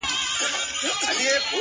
ته نو اوس راسه؛ له دوو زړونو تار باسه؛